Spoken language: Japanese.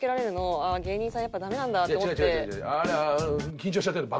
緊張しちゃってんの。